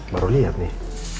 baru liat nih